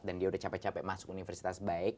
dan dia udah capek capek masuk universitas baik